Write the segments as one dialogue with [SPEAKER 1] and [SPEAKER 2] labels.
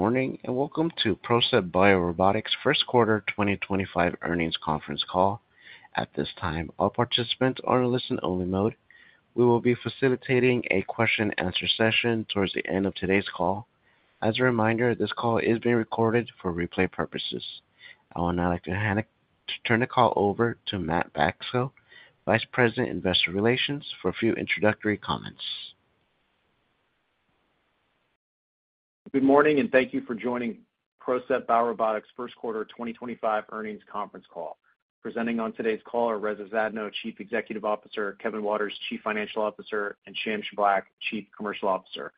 [SPEAKER 1] Good morning and welcome to PROCEPT BioRobotics' First Quarter 2025 Earnings Conference Call. At this time, all participants are in listen-only mode. We will be facilitating a question-and-answer session towards the end of today's call. As a reminder, this call is being recorded for replay purposes. I will now like to turn the call over to Matt Bacso, Vice President, Investor Relations, for a few introductory comments.
[SPEAKER 2] Good morning and thank you for joining PROCEPT BioRobotics' first quarter 2025 earnings conference call. Presenting on today's call are Reza Zadno, Chief Executive Officer; Kevin Waters, Chief Financial Officer; and Sham Shiblaq, Chief Commercial Officer.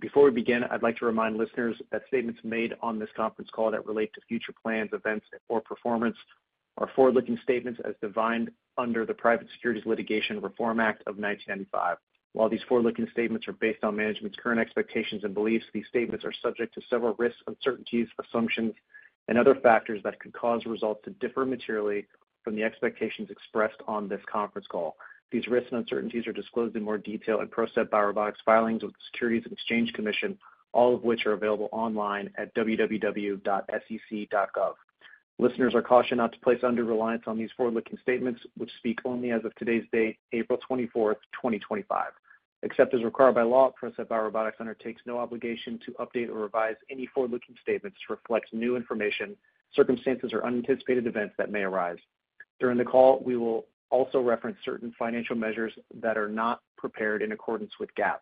[SPEAKER 2] Before we begin, I'd like to remind listeners that statements made on this conference call that relate to future plans, events, or performance are forward-looking statements as defined under the Private Securities Litigation Reform Act of 1995. While these forward-looking statements are based on management's current expectations and beliefs, these statements are subject to several risks, uncertainties, assumptions, and other factors that could cause results to differ materially from the expectations expressed on this conference call. These risks and uncertainties are disclosed in more detail in PROCEPT BioRobotics' filings with the Securities and Exchange Commission, all of which are available online at www.sec.gov. Listeners are cautioned not to place under reliance on these forward-looking statements, which speak only as of today's date, April 24, 2025. Except as required by law, PROCEPT BioRobotics undertakes no obligation to update or revise any forward-looking statements to reflect new information, circumstances, or unanticipated events that may arise. During the call, we will also reference certain financial measures that are not prepared in accordance with GAAP.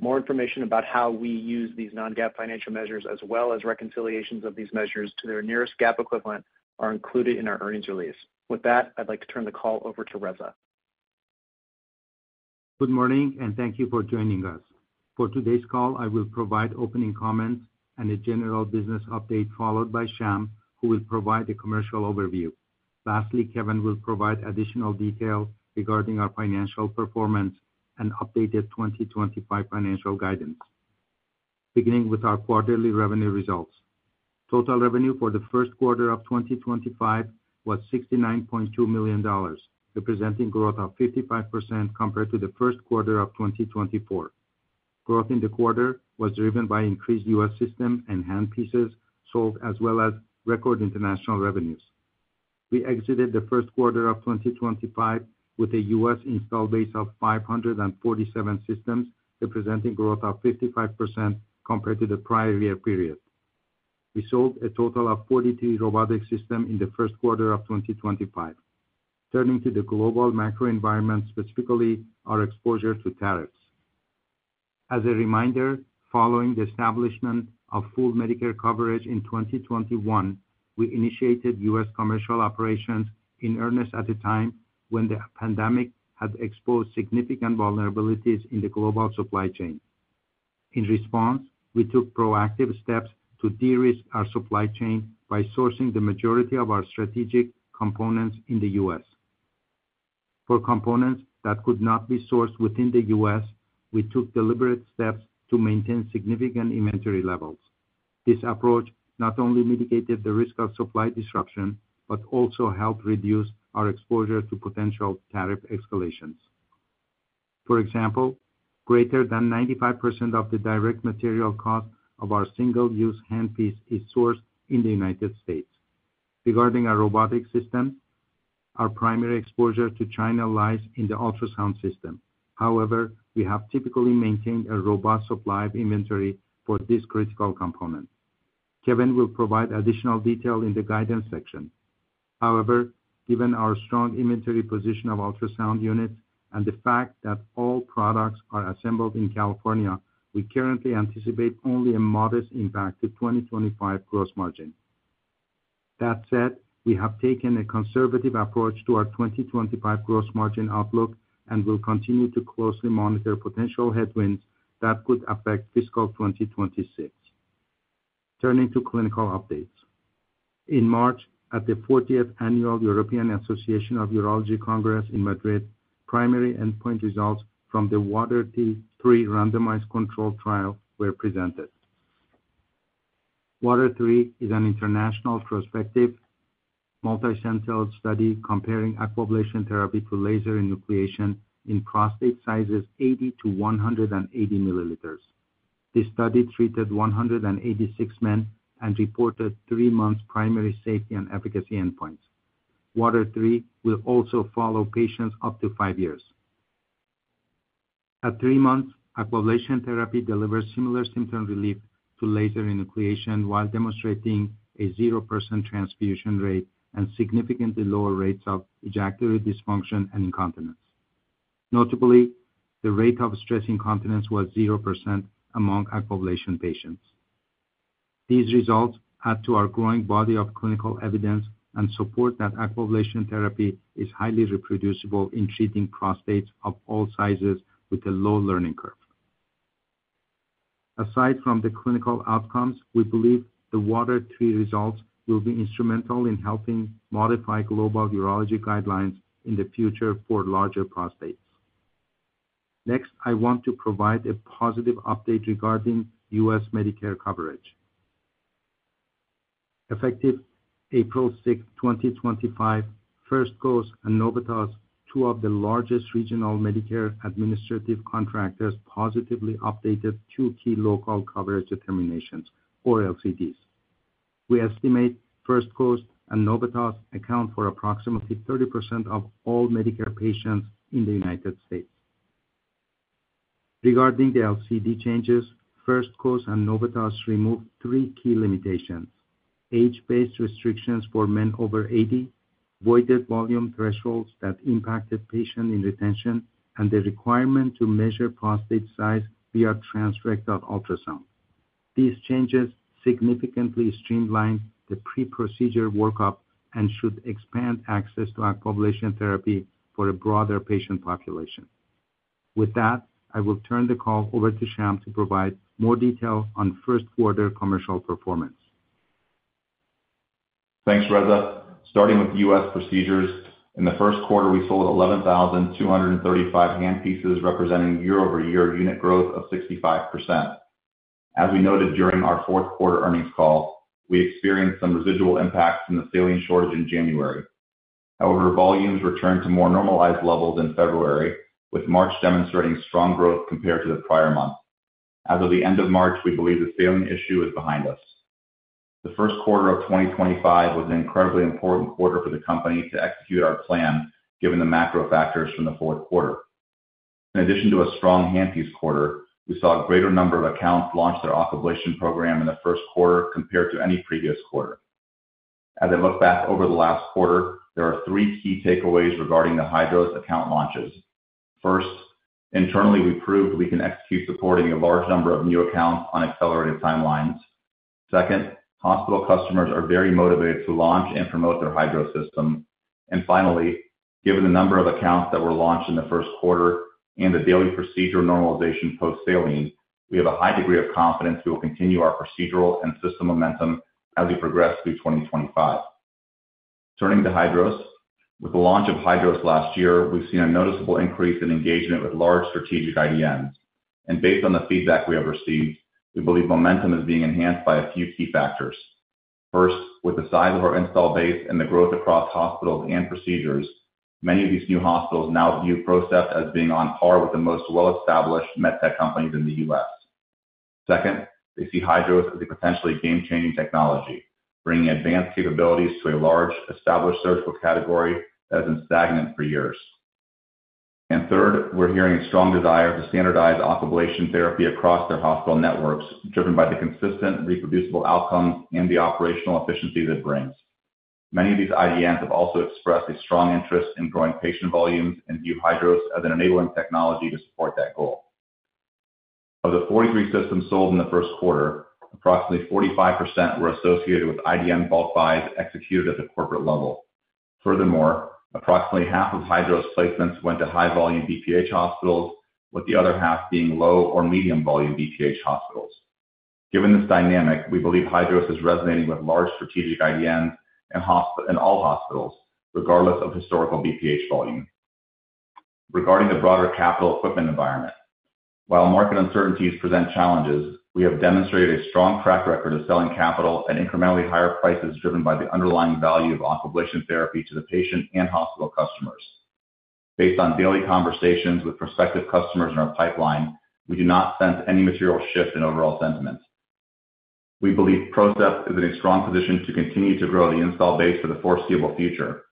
[SPEAKER 2] More information about how we use these non-GAAP financial measures, as well as reconciliations of these measures to their nearest GAAP equivalent, are included in our earnings release. With that, I'd like to turn the call over to Reza.
[SPEAKER 3] Good morning and thank you for joining us. For today's call, I will provide opening comments and a general business update followed by Sham, who will provide a commercial overview. Lastly, Kevin will provide additional detail regarding our financial performance and updated 2025 financial guidance. Beginning with our quarterly revenue results, total revenue for the first quarter of 2025 was $69.2 million, representing growth of 55% compared to the first quarter of 2024. Growth in the quarter was driven by increased U.S. system and handpieces sold, as well as record international revenues. We exited the first quarter of 2025 with a U.S. install base of 547 systems, representing growth of 55% compared to the prior year period. We sold a total of 43 robotic systems in the first quarter of 2025. Turning to the global macro environment, specifically our exposure to tariffs. As a reminder, following the establishment of full Medicare coverage in 2021, we initiated U.S. commercial operations in earnest at a time when the pandemic had exposed significant vulnerabilities in the global supply chain. In response, we took proactive steps to de-risk our supply chain by sourcing the majority of our strategic components in the U.S. For components that could not be sourced within the U.S., we took deliberate steps to maintain significant inventory levels. This approach not only mitigated the risk of supply disruption but also helped reduce our exposure to potential tariff escalations. For example, greater than 95% of the direct material cost of our single-use handpiece is sourced in the United States. Regarding our robotic systems, our primary exposure to China lies in the ultrasound system. However, we have typically maintained a robust supply of inventory for this critical component. Kevin will provide additional detail in the guidance section. However, given our strong inventory position of ultrasound units and the fact that all products are assembled in California, we currently anticipate only a modest impact to 2025 gross margin. That said, we have taken a conservative approach to our 2025 gross margin outlook and will continue to closely monitor potential headwinds that could affect fiscal 2026. Turning to clinical updates, in March, at the 40th Annual European Association of Urology Congress in Madrid, primary endpoint results from the WATER III randomized control trial were presented. WATER III is an international prospective multicentered study comparing Aquablation therapy to laser enucleation in prostate sizes 80mL-180mL. This study treated 186 men and reported three months' primary safety and efficacy endpoints. WATER III will also follow patients up to five years. At three months, Aquablation therapy delivers similar symptom relief to laser enucleation while demonstrating a 0% transfusion rate and significantly lower rates of ejaculatory dysfunction and incontinence. Notably, the rate of stress incontinence was 0% among Aquablation patients. These results add to our growing body of clinical evidence and support that Aquablation therapy is highly reproducible in treating prostates of all sizes with a low learning curve. Aside from the clinical outcomes, we believe the WATER III results will be instrumental in helping modify global urology guidelines in the future for larger prostates. Next, I want to provide a positive update regarding U.S. Medicare coverage. Effective April 6, 2025, First Coast and Novitas, two of the largest regional Medicare administrative contractors, positively updated two key local coverage determinations, or LCDs. We estimate First Coast and Novitas account for approximately 30% of all Medicare patients in the United States. Regarding the LCD changes, First Coast and Novitas removed three key limitations: age-based restrictions for men over 80, voided volume thresholds that impacted patient retention, and the requirement to measure prostate size via transrectal ultrasound. These changes significantly streamlined the pre-procedure workup and should expand access to aquablation therapy for a broader patient population. With that, I will turn the call over to Sham to provide more detail on first-quarter commercial performance.
[SPEAKER 4] Thanks, Reza. Starting with U.S. procedures, in the first quarter, we sold 11,235 handpieces, representing year-over-year unit growth of 65%. As we noted during our fourth quarter earnings call, we experienced some residual impacts from the saline shortage in January. However, volumes returned to more normalized levels in February, with March demonstrating strong growth compared to the prior month. As of the end of March, we believe the saline issue is behind us. The first quarter of 2025 was an incredibly important quarter for the company to execute our plan, given the macro factors from the fourth quarter. In addition to a strong handpiece quarter, we saw a greater number of accounts launch their Aquablation program in the first quarter compared to any previous quarter. As I look back over the last quarter, there are three key takeaways regarding the HYDROS account launches. First, internally, we proved we can execute supporting a large number of new accounts on accelerated timelines. Second, hospital customers are very motivated to launch and promote their HYDROS system. Finally, given the number of accounts that were launched in the first quarter and the daily procedure normalization post-saline, we have a high degree of confidence we will continue our procedural and system momentum as we progress through 2025. Turning to HYDROS, with the launch of HYDROS last year, we have seen a noticeable increase in engagement with large strategic IDNs. Based on the feedback we have received, we believe momentum is being enhanced by a few key factors. First, with the size of our install base and the growth across hospitals and procedures, many of these new hospitals now view PROCEPT as being on par with the most well-established medtech companies in the U.S. Second, they see HYDROS as a potentially game-changing technology, bringing advanced capabilities to a large, established surgical category that has been stagnant for years. Third, we're hearing a strong desire to standardize Aquablation therapy across their hospital networks, driven by the consistent, reproducible outcomes and the operational efficiency that brings. Many of these IDNs have also expressed a strong interest in growing patient volumes and view HYDROS as an enabling technology to support that goal. Of the 43 systems sold in the first quarter, approximately 45% were associated with IDN bulk buys executed at the corporate level. Furthermore, approximately half of HYDROS placements went to high-volume BPH hospitals, with the other half being low or medium-volume BPH hospitals. Given this dynamic, we believe HYDROS is resonating with large strategic IDNs and all hospitals, regardless of historical BPH volume. Regarding the broader capital equipment environment, while market uncertainties present challenges, we have demonstrated a strong track record of selling capital at incrementally higher prices driven by the underlying value of Aquablation therapy to the patient and hospital customers. Based on daily conversations with prospective customers in our pipeline, we do not sense any material shift in overall sentiment. We believe PROCEPT is in a strong position to continue to grow the install base for the foreseeable future.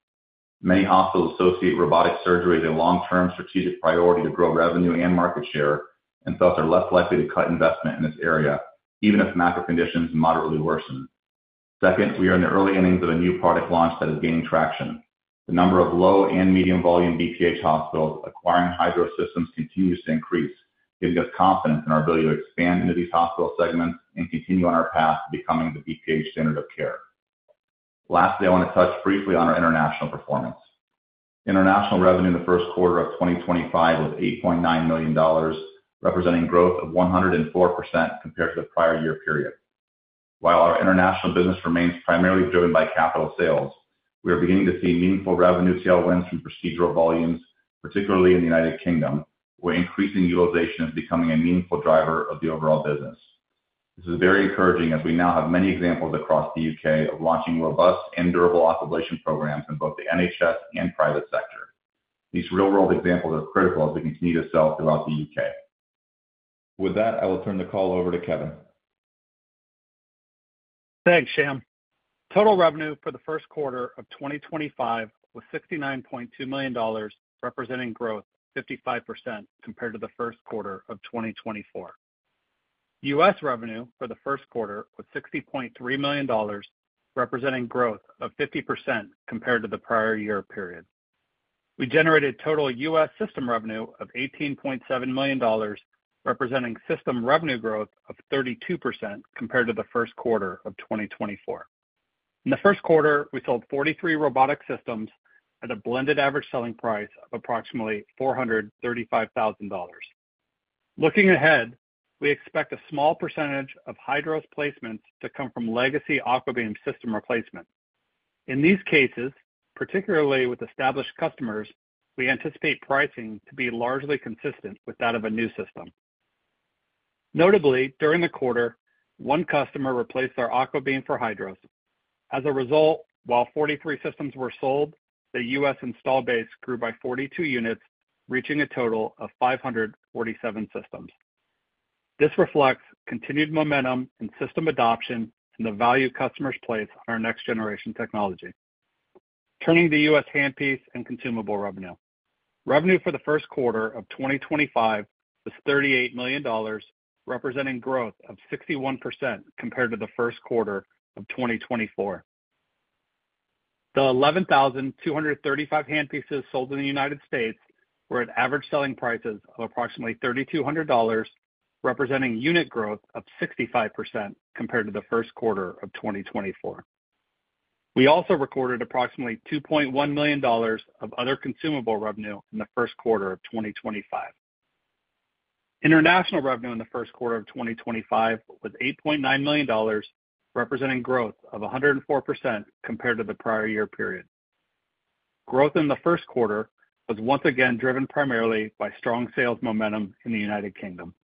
[SPEAKER 4] Many hospitals associate robotic surgery as a long-term strategic priority to grow revenue and market share and thus are less likely to cut investment in this area, even if macro conditions moderately worsen. Second, we are in the early innings of a new product launch that is gaining traction. The number of low and medium-volume BPH hospitals acquiring HYDROS systems continues to increase, giving us confidence in our ability to expand into these hospital segments and continue on our path to becoming the BPH standard of care. Lastly, I want to touch briefly on our international performance. International revenue in the first quarter of 2025 was $8.9 million, representing growth of 104% compared to the prior year period. While our international business remains primarily driven by capital sales, we are beginning to see meaningful revenue tailwinds from procedural volumes, particularly in the U.K., where increasing utilization is becoming a meaningful driver of the overall business. This is very encouraging as we now have many examples across the U.K. of launching robust and durable Aquablation programs in both the NHS and private sector. These real-world examples are critical as we continue to sell throughout the U.K. With that, I will turn the call over to Kevin.
[SPEAKER 5] Thanks, Sham. Total revenue for the first quarter of 2025 was $69.2 million, representing growth of 55% compared to the first quarter of 2024. U.S. revenue for the first quarter was $60.3 million, representing growth of 50% compared to the prior year period. We generated total U.S. system revenue of $18.7 million, representing system revenue growth of 32% compared to the first quarter of 2024. In the first quarter, we sold 43 robotic systems at a blended average selling price of approximately $435,000. Looking ahead, we expect a small percentage of HYDROS placements to come from legacy Aquablation system replacement. In these cases, particularly with established customers, we anticipate pricing to be largely consistent with that of a new system. Notably, during the quarter, one customer replaced their Aquablation for HYDROS. As a result, while 43 systems were sold, the U.S. Install base grew by 42 units, reaching a total of 547 systems. This reflects continued momentum in system adoption and the value customers place on our next-generation technology. Turning to U.S. handpiece and consumable revenue, revenue for the first quarter of 2025 was $38 million, representing growth of 61% compared to the first quarter of 2024. The 11,235 handpieces sold in the United States were at average selling prices of approximately $3,200, representing unit growth of 65% compared to the first quarter of 2024. We also recorded approximately $2.1 million of other consumable revenue in the first quarter of 2025. International revenue in the first quarter of 2025 was $8.9 million, representing growth of 104% compared to the prior year period. Growth in the first quarter was once again driven primarily by strong sales momentum in the United Kingdom.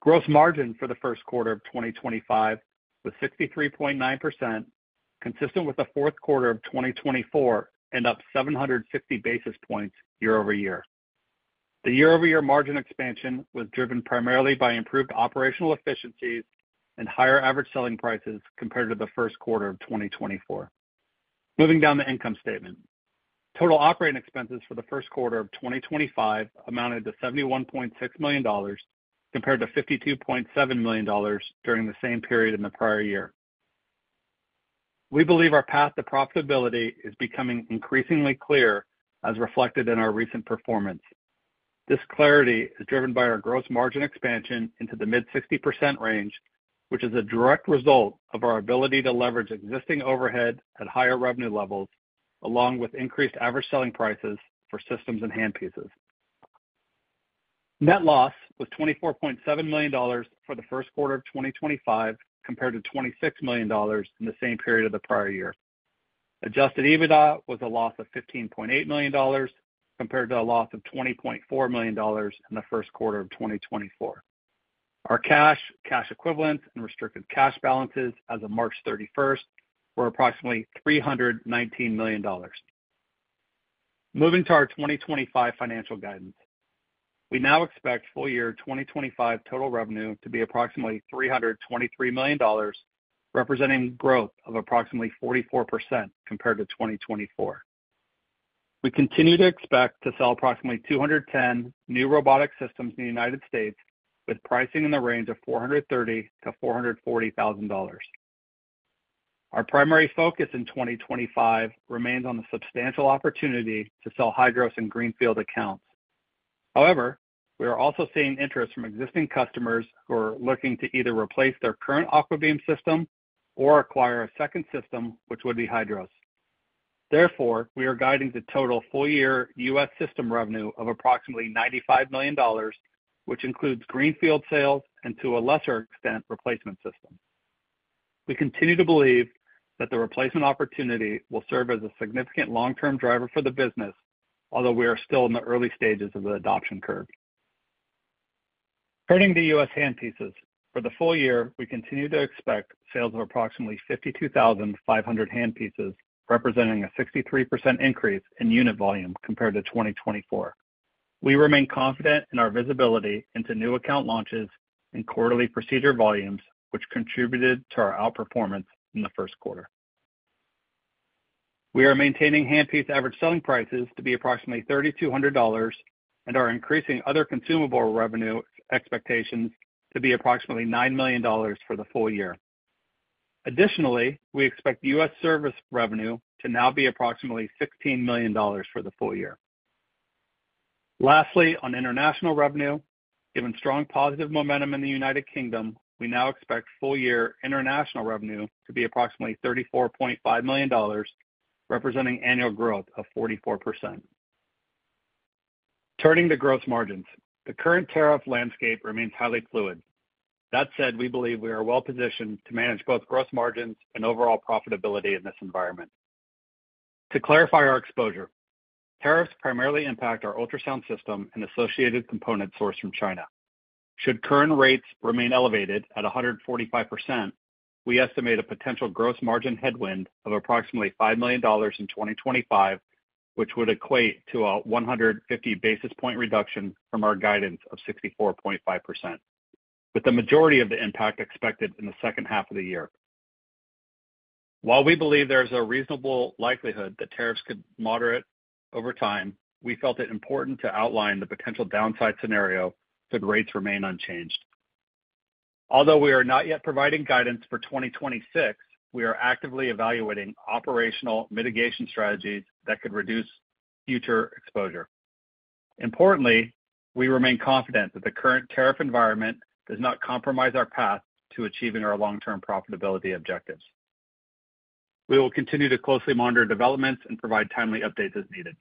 [SPEAKER 5] Gross margin for the first quarter of 2025 was 63.9%, consistent with the fourth quarter of 2024, and up 750 basis points year-over-year. The year-over-year margin expansion was driven primarily by improved operational efficiencies and higher average selling prices compared to the first quarter of 2024. Moving down the income statement, total operating expenses for the first quarter of 2025 amounted to $71.6 million compared to $52.7 million during the same period in the prior year. We believe our path to profitability is becoming increasingly clear, as reflected in our recent performance. This clarity is driven by our gross margin expansion into the mid-60% range, which is a direct result of our ability to leverage existing overhead at higher revenue levels, along with increased average selling prices for systems and handpieces. Net loss was $24.7 million for the first quarter of 2025 compared to $26 million in the same period of the prior year. Adjusted EBITDA was a loss of $15.8 million compared to a loss of $20.4 million in the first quarter of 2024. Our cash, cash equivalents, and restricted cash balances as of March 31 were approximately $319 million. Moving to our 2025 financial guidance, we now expect full year 2025 total revenue to be approximately $323 million, representing growth of approximately 44% compared to 2024. We continue to expect to sell approximately 210 new robotic systems in the United States, with pricing in the range of $430,000-$440,000. Our primary focus in 2025 remains on the substantial opportunity to sell HYDROS and greenfield accounts. However, we are also seeing interest from existing customers who are looking to either replace their current Aquablation system or acquire a second system, which would be HYDROS. Therefore, we are guiding the total full year U.S. system revenue of approximately $95 million, which includes greenfield sales and, to a lesser extent, replacement systems. We continue to believe that the replacement opportunity will serve as a significant long-term driver for the business, although we are still in the early stages of the adoption curve. Turning to U.S. handpieces, for the full year, we continue to expect sales of approximately 52,500 handpieces, representing a 63% increase in unit volume compared to 2024. We remain confident in our visibility into new account launches and quarterly procedure volumes, which contributed to our outperformance in the first quarter. We are maintaining handpiece average selling prices to be approximately $3,200 and are increasing other consumable revenue expectations to be approximately $9 million for the full year. Additionally, we expect U.S. service revenue to now be approximately $16 million for the full year. Lastly, on international revenue, given strong positive momentum in the United Kingdom, we now expect full year international revenue to be approximately $34.5 million, representing annual growth of 44%. Turning to gross margins, the current tariff landscape remains highly fluid. That said, we believe we are well-positioned to manage both gross margins and overall profitability in this environment. To clarify our exposure, tariffs primarily impact our ultrasound system and associated components sourced from China. Should current rates remain elevated at 145%, we estimate a potential gross margin headwind of approximately $5 million in 2025, which would equate to a 150 basis point reduction from our guidance of 64.5%, with the majority of the impact expected in the second half of the year. While we believe there is a reasonable likelihood that tariffs could moderate over time, we felt it important to outline the potential downside scenario should rates remain unchanged. Although we are not yet providing guidance for 2026, we are actively evaluating operational mitigation strategies that could reduce future exposure. Importantly, we remain confident that the current tariff environment does not compromise our path to achieving our long-term profitability objectives. We will continue to closely monitor developments and provide timely updates as needed.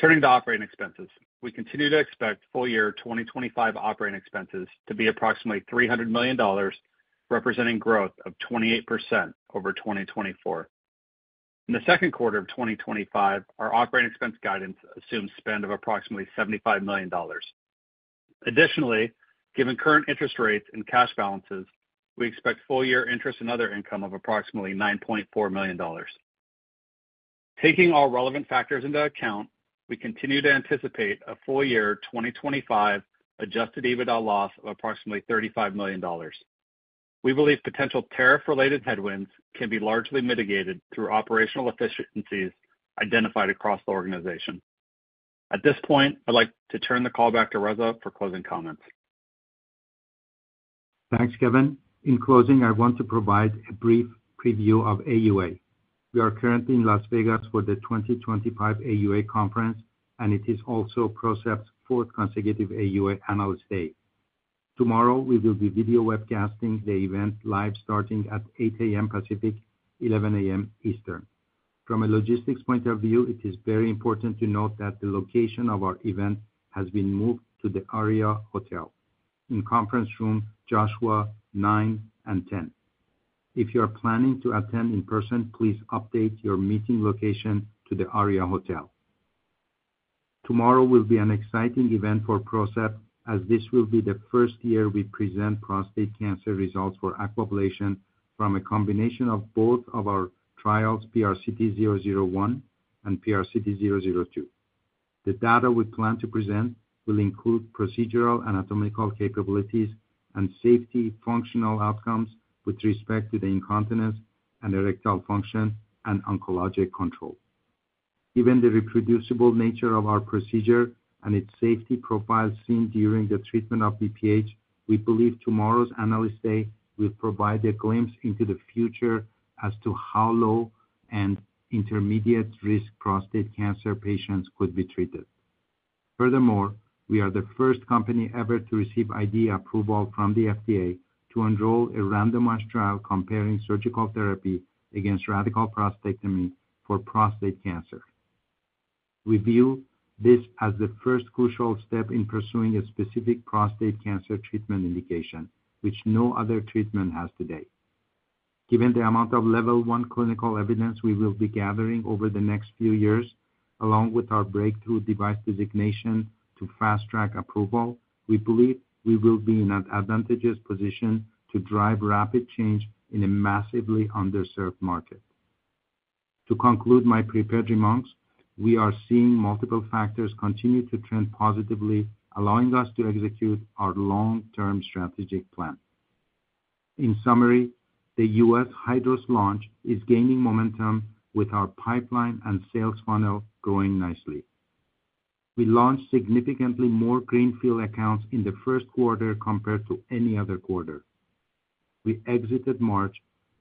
[SPEAKER 5] Turning to operating expenses, we continue to expect full year 2025 operating expenses to be approximately $300 million, representing growth of 28% over 2024. In the second quarter of 2025, our operating expense guidance assumes spend of approximately $75 million. Additionally, given current interest rates and cash balances, we expect full year interest and other income of approximately $9.4 million. Taking all relevant factors into account, we continue to anticipate a full year 2025 adjusted EBITDA loss of approximately $35 million. We believe potential tariff-related headwinds can be largely mitigated through operational efficiencies identified across the organization. At this point, I'd like to turn the call back to Reza for closing comments.
[SPEAKER 3] Thanks, Kevin. In closing, I want to provide a brief preview of AUA. We are currently in Las Vegas for the 2025 AUA Conference, and it is also PROCEPT's fourth consecutive AUA Analyst Day. Tomorrow, we will be video webcasting the event live starting at 8:00 A.M. Pacific, 11:00 A.M. Eastern. From a logistics point of view, it is very important to note that the location of our event has been moved to the ARIA Hotel in Conference Room Joshua 9 and 10. If you are planning to attend in person, please update your meeting location to the ARIA Hotel. Tomorrow will be an exciting event for PROCEPT, as this will be the first year we present prostate cancer results for Aquablation from a combination of both of our trials, PRCT001 and PRCT002. The data we plan to present will include procedural anatomical capabilities and safety functional outcomes with respect to the incontinence and erectile function and oncologic control. Given the reproducible nature of our procedure and its safety profile seen during the treatment of BPH, we believe tomorrow's Analyst Day will provide a glimpse into the future as to how low and intermediate-risk prostate cancer patients could be treated. Furthermore, we are the first company ever to receive IDE approval from the FDA to enroll a randomized trial comparing surgical therapy against radical prostatectomy for prostate cancer. We view this as the first crucial step in pursuing a specific prostate cancer treatment indication, which no other treatment has today. Given the amount of level one clinical evidence we will be gathering over the next few years, along with our breakthrough device designation to fast-track approval, we believe we will be in an advantageous position to drive rapid change in a massively underserved market. To conclude my prepared remarks, we are seeing multiple factors continue to trend positively, allowing us to execute our long-term strategic plan. In summary, the U.S. HYDROS launch is gaining momentum with our pipeline and sales funnel growing nicely. We launched significantly more greenfield accounts in the first quarter compared to any other quarter. We exited March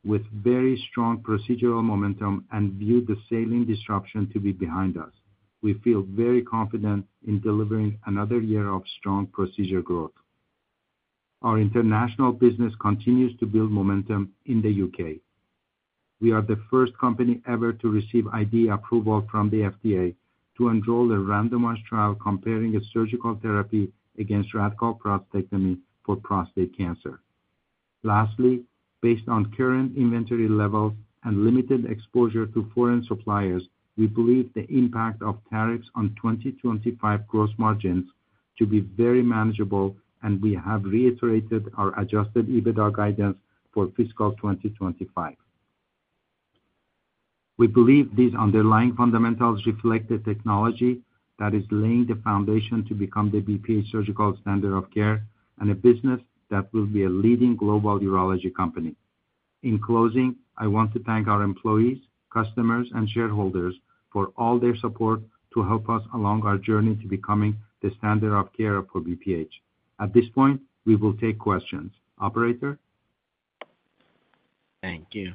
[SPEAKER 3] with very strong procedural momentum and view the saline disruption to be behind us. We feel very confident in delivering another year of strong procedure growth. Our international business continues to build momentum in the U.K. We are the first company ever to receive IDE approval from the FDA to enroll a randomized trial comparing surgical therapy against radical prostatectomy for prostate cancer. Lastly, based on current inventory levels and limited exposure to foreign suppliers, we believe the impact of tariffs on 2025 gross margins to be very manageable, and we have reiterated our adjusted EBITDA guidance for fiscal 2025. We believe these underlying fundamentals reflect the technology that is laying the foundation to become the BPH surgical standard of care and a business that will be a leading global urology company. In closing, I want to thank our employees, customers, and shareholders for all their support to help us along our journey to becoming the standard of care for BPH. At this point, we will take questions. Operator?
[SPEAKER 1] Thank you.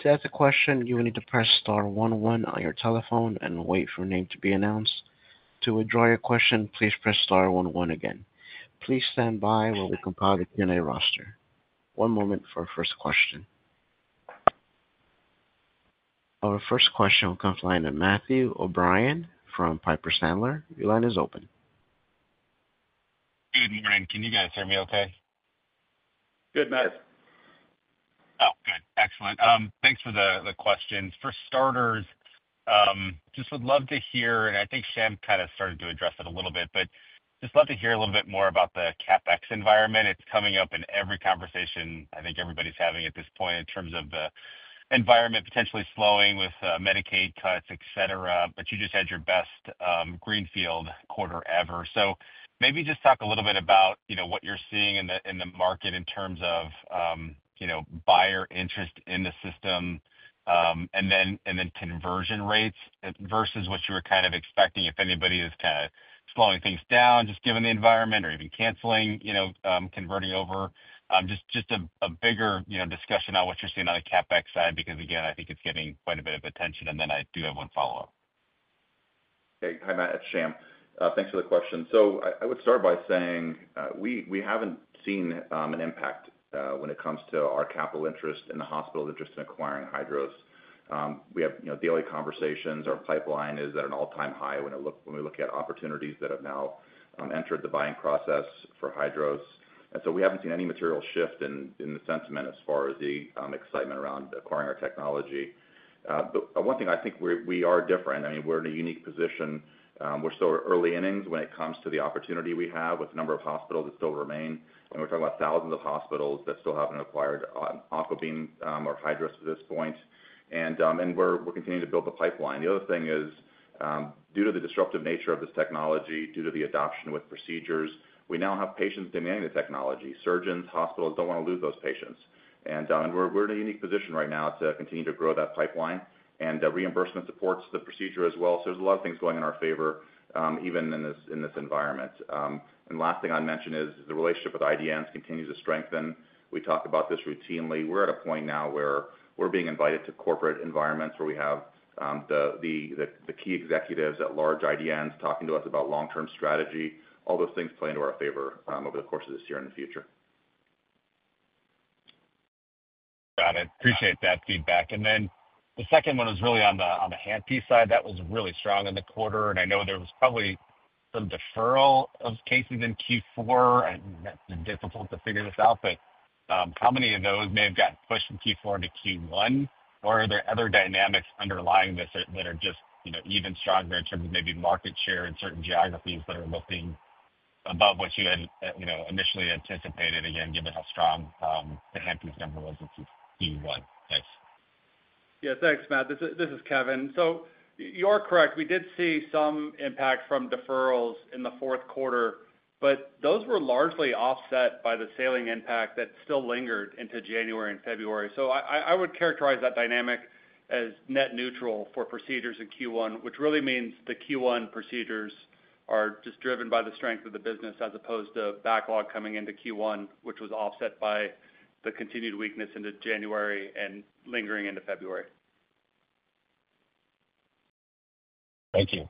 [SPEAKER 1] To ask a question, you will need to press star one one on your telephone and wait for your name to be announced. To withdraw your question, please press star one one again. Please stand by while we compile the Q&A roster. One moment for our first question. Our first question will come from a line of Matthew O'Brien from Piper Sandler. Your line is open.
[SPEAKER 6] Good morning. Can you guys hear me okay?
[SPEAKER 4] Good, Matt.
[SPEAKER 6] Oh, good. Excellent. Thanks for the question. For starters, just would love to hear, and I think Sham kind of started to address it a little bit, but just love to hear a little bit more about the CapEx environment. It's coming up in every conversation I think everybody's having at this point in terms of the environment potentially slowing with Medicaid cuts, et cetera. You just had your best greenfield quarter ever. Maybe just talk a little bit about what you're seeing in the market in terms of buyer interest in the system and then conversion rates versus what you were kind of expecting if anybody is kind of slowing things down, just given the environment, or even canceling, converting over. Just a bigger discussion on what you're seeing on the CapEx side because, again, I think it's getting quite a bit of attention. I do have one follow-up.
[SPEAKER 4] Hey, hi, Matt. It's Sham. Thanks for the question. I would start by saying we haven't seen an impact when it comes to our capital interest and the hospital's interest in acquiring HYDROS. We have daily conversations. Our pipeline is at an all-time high when we look at opportunities that have now entered the buying process for HYDROS. We haven't seen any material shift in the sentiment as far as the excitement around acquiring our technology. One thing I think we are different. I mean, we're in a unique position. We're still early innings when it comes to the opportunity we have with the number of hospitals that still remain. We're talking about thousands of hospitals that still haven't acquired Aquablation or HYDROS at this point. We're continuing to build the pipeline. The other thing is, due to the disruptive nature of this technology, due to the adoption with procedures, we now have patients demanding the technology. Surgeons, hospitals do not want to lose those patients. We are in a unique position right now to continue to grow that pipeline. Reimbursement supports the procedure as well. There are a lot of things going in our favor even in this environment. The last thing I would mention is the relationship with IDNs continues to strengthen. We talk about this routinely. We are at a point now where we are being invited to corporate environments where we have the key executives at large IDNs talking to us about long-term strategy. All those things play into our favor over the course of this year and the future.
[SPEAKER 6] Got it. Appreciate that feedback. The second one was really on the handpiece side. That was really strong in the quarter. I know there was probably some deferral of cases in Q4. I mean, that's difficult to figure this out, but how many of those may have gotten pushed from Q4 into Q1? Are there other dynamics underlying this that are just even stronger in terms of maybe market share in certain geographies that are looking above what you had initially anticipated, again, given how strong the handpiece number was in Q1? Thanks.
[SPEAKER 5] Yeah, thanks, Matt. This is Kevin. You're correct. We did see some impact from deferrals in the fourth quarter, but those were largely offset by the saline impact that still lingered into January and February. I would characterize that dynamic as net neutral for procedures in Q1, which really means the Q1 procedures are just driven by the strength of the business as opposed to backlog coming into Q1, which was offset by the continued weakness into January and lingering into February.
[SPEAKER 6] Thank you.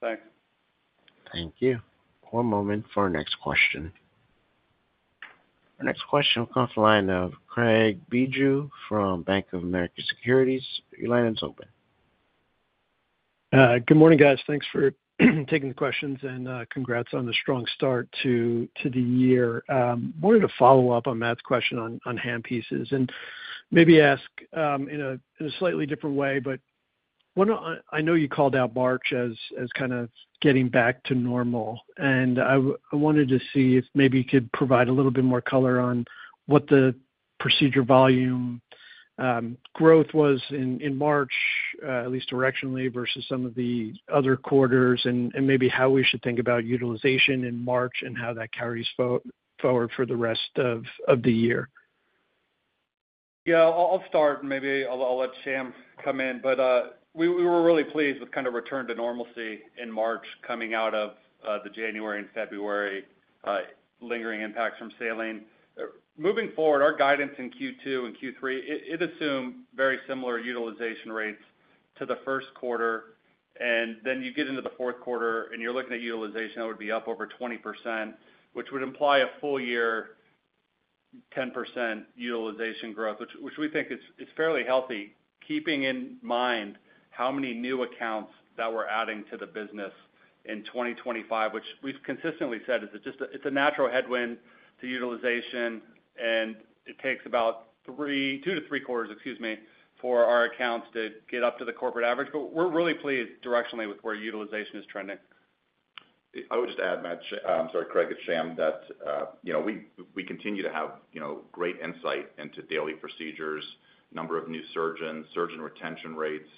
[SPEAKER 5] Thanks.
[SPEAKER 1] Thank you. One moment for our next question. Our next question will come from a line of Craig Bijou from Bank of America Securities. Your line is open.
[SPEAKER 7] Good morning, guys. Thanks for taking the questions and congrats on the strong start to the year. I wanted to follow up on Matt's question on handpieces and maybe ask in a slightly different way, but I know you called out March as kind of getting back to normal. I wanted to see if maybe you could provide a little bit more color on what the procedure volume growth was in March, at least directionally versus some of the other quarters, and maybe how we should think about utilization in March and how that carries forward for the rest of the year.
[SPEAKER 5] Yeah, I'll start, and maybe I'll let Sham come in. We were really pleased with kind of return to normalcy in March coming out of the January and February lingering impacts from saline. Moving forward, our guidance in Q2 and Q3, it assumed very similar utilization rates to the first quarter. You get into the fourth quarter, and you're looking at utilization that would be up over 20%, which would imply a full year 10% utilization growth, which we think is fairly healthy keeping in mind how many new accounts that we're adding to the business in 2025, which we've consistently said is just a natural headwind to utilization. It takes about two to three quarters, excuse me, for our accounts to get up to the corporate average. We are really pleased directionally with where utilization is trending.
[SPEAKER 4] I would just add, Matt, sorry, Craig, at Sham that we continue to have great insight into daily procedures, number of new surgeons, surgeon retention rates.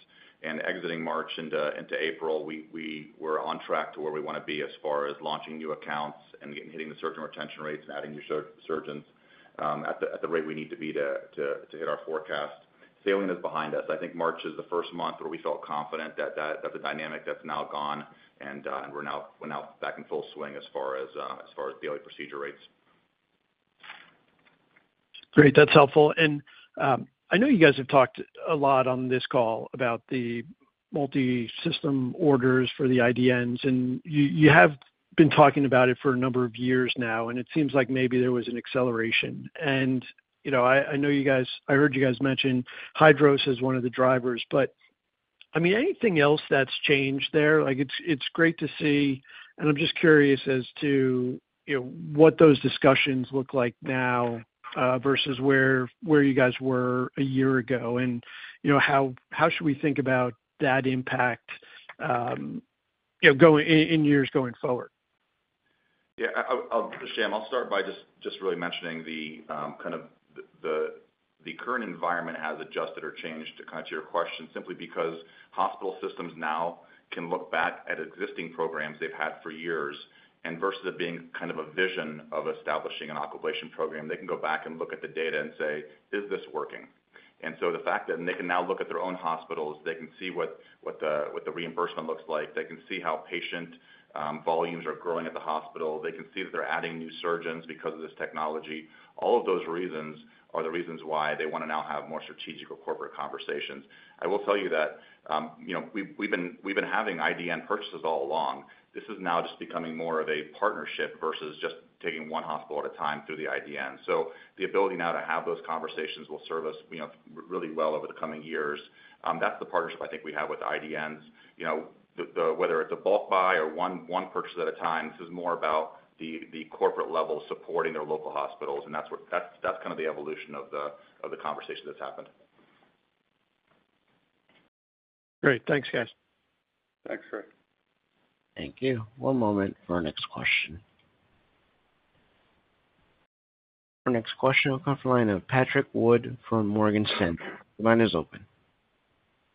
[SPEAKER 4] Exiting March into April, we were on track to where we want to be as far as launching new accounts and hitting the surgeon retention rates and adding new surgeons at the rate we need to be to hit our forecast. Saline is behind us. I think March is the first month where we felt confident that the dynamic that's now gone, and we're now back in full swing as far as daily procedure rates.
[SPEAKER 7] Great. That's helpful. I know you guys have talked a lot on this call about the multi-system orders for the IDNs. You have been talking about it for a number of years now, and it seems like maybe there was an acceleration. I know you guys, I heard you guys mention HYDROS as one of the drivers, but I mean, anything else that's changed there? It's great to see. I'm just curious as to what those discussions look like now versus where you guys were a year ago, and how should we think about that impact in years going forward?
[SPEAKER 4] Yeah. Sham, I'll start by just really mentioning kind of the current environment has adjusted or changed to kind of your question simply because hospital systems now can look back at existing programs they've had for years and versus it being kind of a vision of establishing an Aquablation program. They can go back and look at the data and say, "Is this working?" The fact that they can now look at their own hospitals, they can see what the reimbursement looks like. They can see how patient volumes are growing at the hospital. They can see that they're adding new surgeons because of this technology. All of those reasons are the reasons why they want to now have more strategic or corporate conversations. I will tell you that we've been having IDN purchases all along. This is now just becoming more of a partnership versus just taking one hospital at a time through the IDN. The ability now to have those conversations will serve us really well over the coming years. That is the partnership I think we have with IDNs. Whether it is a bulk buy or one purchase at a time, this is more about the corporate level supporting their local hospitals. That is kind of the evolution of the conversation that has happened.
[SPEAKER 7] Great. Thanks, guys.
[SPEAKER 4] Thanks, Craig.
[SPEAKER 1] Thank you. One moment for our next question. Our next question will come from a line of Patrick Wood from Morgan Stanley. Your line is open.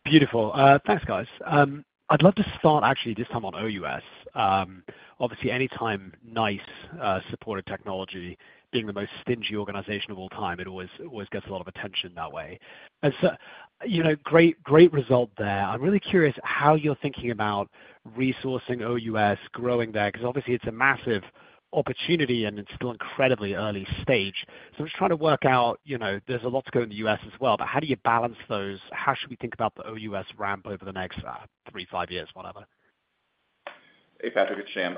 [SPEAKER 8] Beautiful. Thanks, guys. I'd love to start actually this time on OUS. Obviously, anytime NICE supported technology being the most stingy organization of all time, it always gets a lot of attention that way. Great result there. I'm really curious how you're thinking about resourcing OUS, growing there because obviously it's a massive opportunity and it's still incredibly early stage. I'm just trying to work out there's a lot to go in the US as well, but how do you balance those? How should we think about the OUS ramp over the next three, five years, whatever?
[SPEAKER 4] Hey, Patrick, it's Sham.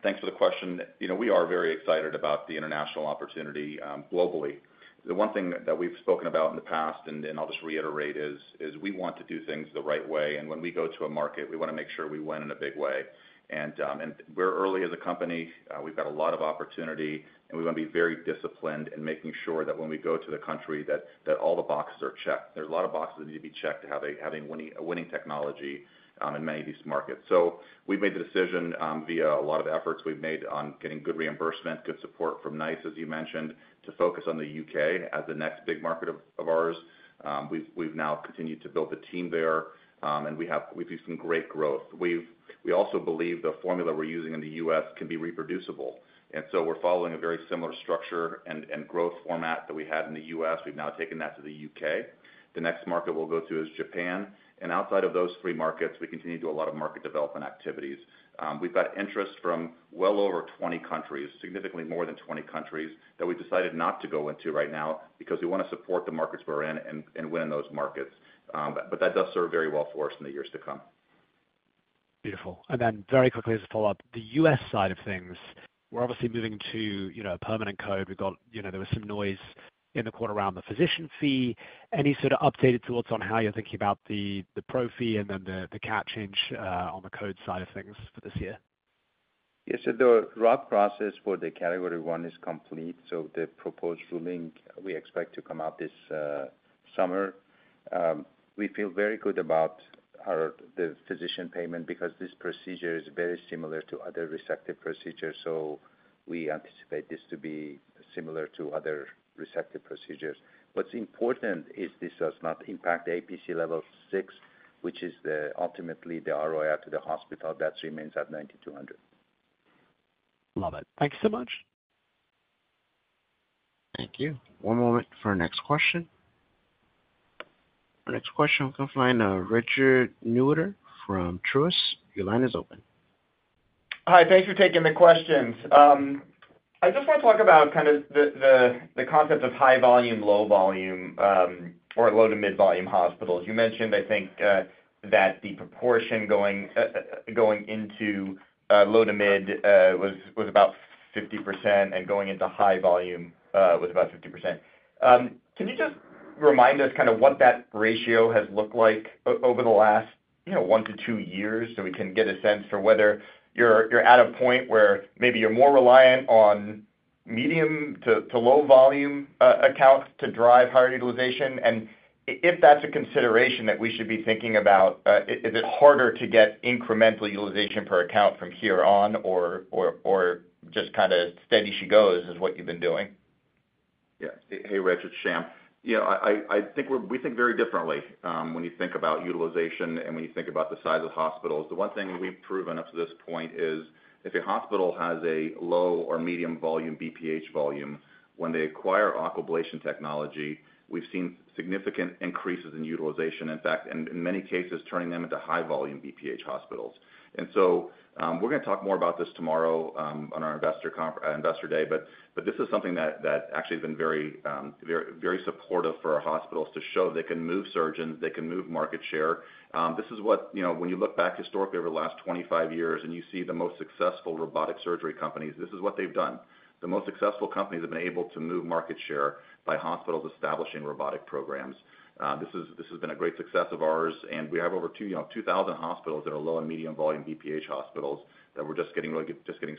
[SPEAKER 4] Thanks for the question. We are very excited about the international opportunity globally. The one thing that we've spoken about in the past, and I'll just reiterate, is we want to do things the right way. When we go to a market, we want to make sure we win in a big way. We're early as a company. We've got a lot of opportunity, and we want to be very disciplined in making sure that when we go to the country, that all the boxes are checked. There are a lot of boxes that need to be checked to have a winning technology in many of these markets. We have made the decision via a lot of efforts we've made on getting good reimbursement, good support from NICE, as you mentioned, to focus on the U.K. as the next big market of ours. We've now continued to build the team there, and we've seen some great growth. We also believe the formula we're using in the U.S. can be reproducible. We are following a very similar structure and growth format that we had in the U.S. We've now taken that to the U.K. The next market we'll go to is Japan. Outside of those three markets, we continue to do a lot of market development activities. We've got interest from well over 20 countries, significantly more than 20 countries, that we've decided not to go into right now because we want to support the markets we're in and win in those markets. That does serve very well for us in the years to come.
[SPEAKER 8] Beautiful. Very quickly, as a follow-up, the U.S. side of things. We're obviously moving to a permanent code. There was some noise in the quarter around the physician fee. Any sort of updated thoughts on how you're thinking about the pro fee and then the catch-up on the code side of things for this year?
[SPEAKER 3] Yes. The RUC process for the Category I is complete. The proposed ruling, we expect to come out this summer. We feel very good about the physician payment because this procedure is very similar to other resective procedures. We anticipate this to be similar to other resective procedures. What's important is this does not impact APC Level 6, which is ultimately the ROI to the hospital. That remains at $9,200.
[SPEAKER 8] Love it. Thank you so much.
[SPEAKER 1] Thank you. One moment for our next question. Our next question will come from a line of Richard Newitter from Truist. Your line is open.
[SPEAKER 9] Hi. Thanks for taking the questions. I just want to talk about kind of the concept of high volume, low volume, or low to mid volume hospitals. You mentioned, I think, that the proportion going into low to mid was about 50% and going into high volume was about 50%. Can you just remind us kind of what that ratio has looked like over the last one to two years so we can get a sense for whether you're at a point where maybe you're more reliant on medium to low volume accounts to drive higher utilization? If that's a consideration that we should be thinking about, is it harder to get incremental utilization per account from here on or just kind of steady she goes is what you've been doing?
[SPEAKER 4] Yeah. Hey, Richard, Sham. I think we think very differently when you think about utilization and when you think about the size of hospitals. The one thing we've proven up to this point is if a hospital has a low or medium volume BPH volume, when they acquire Aquablation technology, we've seen significant increases in utilization, in fact, and in many cases, turning them into high volume BPH hospitals. We are going to talk more about this tomorrow on our investor day, but this is something that actually has been very supportive for our hospitals to show they can move surgeons. They can move market share. This is what, when you look back historically over the last 25 years and you see the most successful robotic surgery companies, this is what they've done. The most successful companies have been able to move market share by hospitals establishing robotic programs. This has been a great success of ours. We have over 2,000 hospitals that are low and medium volume BPH hospitals that we're just getting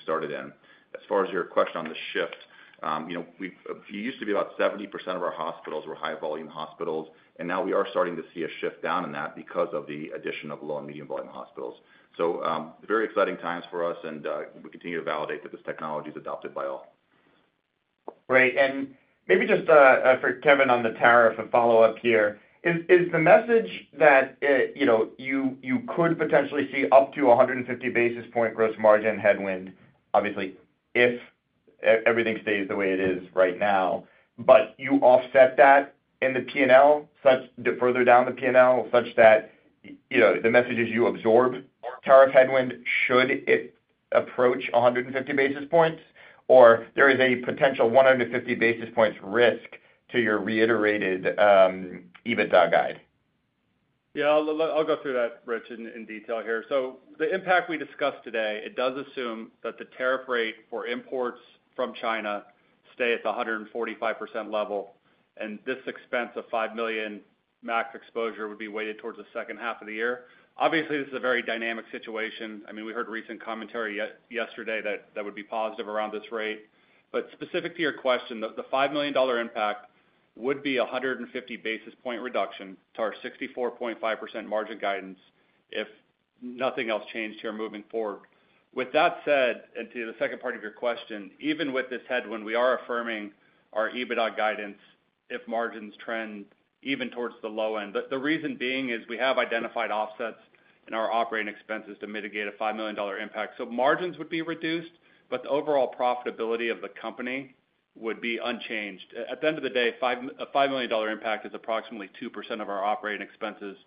[SPEAKER 4] started in. As far as your question on the shift, it used to be about 70% of our hospitals were high volume hospitals, and now we are starting to see a shift down in that because of the addition of low and medium volume hospitals. Very exciting times for us, and we continue to validate that this technology is adopted by all.
[SPEAKER 9] Great. Maybe just for Kevin on the tariff and follow-up here, is the message that you could potentially see up to 150 basis point gross margin headwind, obviously, if everything stays the way it is right now, but you offset that in the P&L further down the P&L such that the message is you absorb tariff headwind should it approach 150 basis points, or there is a potential 150 basis points risk to your reiterated EBITDA guide?
[SPEAKER 5] Yeah. I'll go through that, Rich, in detail here. The impact we discussed today, it does assume that the tariff rate for imports from China stays at the 145% level, and this expense of $5 million max exposure would be weighted towards the second half of the year. Obviously, this is a very dynamic situation. I mean, we heard recent commentary yesterday that would be positive around this rate. Specific to your question, the $5 million impact would be a 150 basis point reduction to our 64.5% margin guidance if nothing else changed here moving forward. With that said, and to the second part of your question, even with this headwind, we are affirming our EBITDA guidance if margins trend even towards the low end. The reason being is we have identified offsets in our operating expenses to mitigate a $5 million impact. Margins would be reduced, but the overall profitability of the company would be unchanged. At the end of the day, a $5 million impact is approximately 2% of our operating expenses.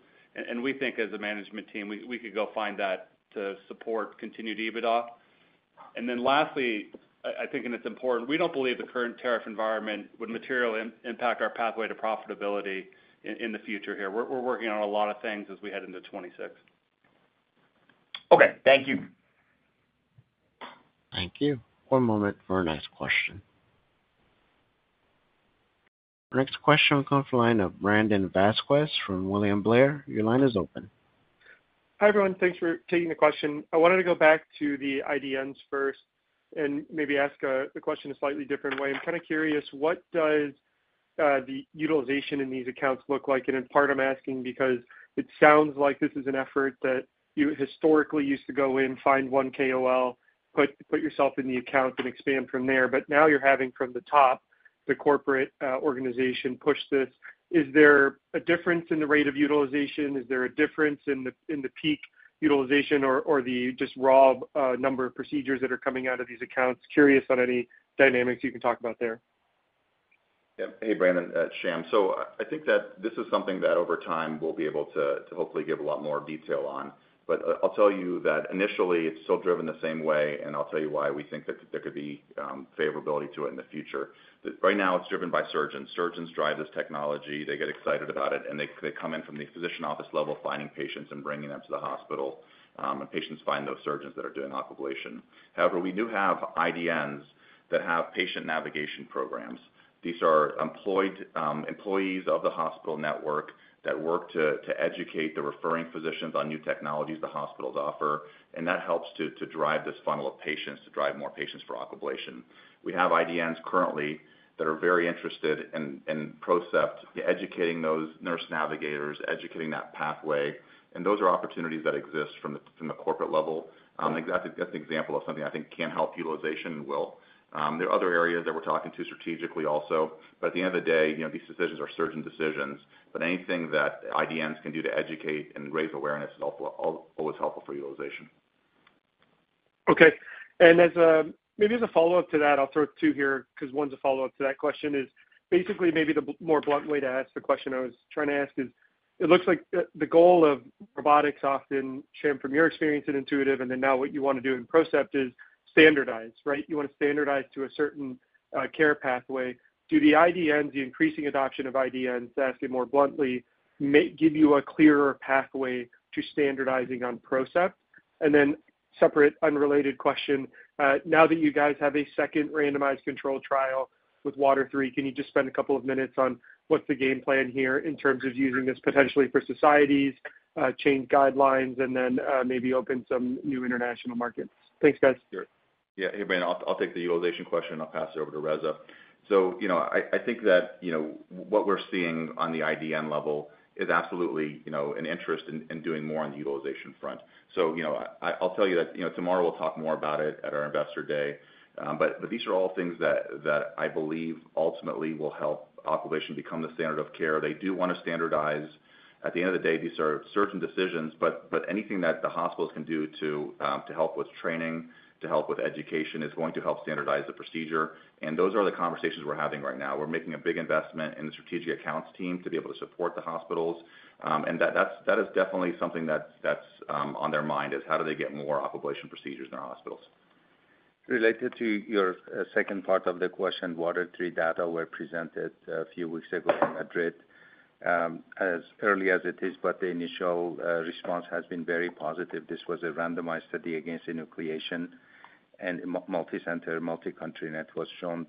[SPEAKER 5] We think as a management team, we could go find that to support continued EBITDA. Lastly, I think, and it's important, we don't believe the current tariff environment would materially impact our pathway to profitability in the future here. We're working on a lot of things as we head into 2026.
[SPEAKER 9] Okay. Thank you.
[SPEAKER 1] Thank you. One moment for our next question. Our next question will come from a line of Brandon Vazquez from William Blair. Your line is open.
[SPEAKER 10] Hi, everyone. Thanks for taking the question. I wanted to go back to the IDNs first and maybe ask the question a slightly different way. I'm kind of curious, what does the utilization in these accounts look like? In part, I'm asking because it sounds like this is an effort that you historically used to go in, find one KOL, put yourself in the account, and expand from there. Now you're having from the top, the corporate organization push this. Is there a difference in the rate of utilization? Is there a difference in the peak utilization or the just raw number of procedures that are coming out of these accounts? Curious on any dynamics you can talk about there.
[SPEAKER 4] Yep. Hey, Brandon, Sham. I think that this is something that over time we'll be able to hopefully give a lot more detail on. I'll tell you that initially, it's still driven the same way, and I'll tell you why we think that there could be favorability to it in the future. Right now, it's driven by surgeons. Surgeons drive this technology. They get excited about it, and they come in from the physician office level, finding patients and bringing them to the hospital. Patients find those surgeons that are doing Aquablation. However, we do have IDNs that have patient navigation programs. These are employees of the hospital network that work to educate the referring physicians on new technologies the hospitals offer. That helps to drive this funnel of patients, to drive more patients for Aquablation. We have IDNs currently that are very interested in PROCEPT, educating those nurse navigators, educating that pathway. Those are opportunities that exist from the corporate level. That is an example of something I think can help utilization and will. There are other areas that we are talking to strategically also. At the end of the day, these decisions are surgeon decisions. Anything that IDNs can do to educate and raise awareness is always helpful for utilization.
[SPEAKER 10] Okay. Maybe as a follow-up to that, I'll throw two here because one's a follow-up to that question. Basically, maybe the more blunt way to ask the question I was trying to ask is it looks like the goal of robotics often, Sham, from your experience at Intuitive and then now what you want to do in PROCEPT, is standardize, right? You want to standardize to a certain care pathway. ' Do the IDNs, the increasing adoption of IDNs, to ask it more bluntly, give you a clearer pathway to standardizing on PROCEPT? Separate unrelated question, now that you guys have a second randomized control trial with WATER III, can you just spend a couple of minutes on what's the game plan here in terms of using this potentially for societies, change guidelines, and then maybe open some new international markets? Thanks, guys.
[SPEAKER 4] Sure. Yeah. Hey, Brandon, I'll take the utilization question and I'll pass it over to Reza. I think that what we're seeing on the IDN level is absolutely an interest in doing more on the utilization front. I'll tell you that tomorrow we'll talk more about it at our investor day. These are all things that I believe ultimately will help Aquablation become the standard of care. They do want to standardize. At the end of the day, these are certain decisions, but anything that the hospitals can do to help with training, to help with education, is going to help standardize the procedure. Those are the conversations we're having right now. We're making a big investment in the strategic accounts team to be able to support the hospitals. That is definitely something that's on their mind is how do they get more Aquablation procedures in their hospitals?
[SPEAKER 3] Related to your second part of the question, WATER III data were presented a few weeks ago in Madrid. As early as it is, the initial response has been very positive. This was a randomized study against enucleation and multi-center, multi-country net was shown